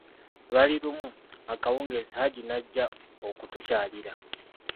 Lwali lumu, akawungeezi, Haji n'ajja okutukyalira.